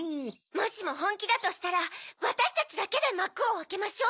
もしもほんきだとしたらわたしたちだけでまくをあけましょう。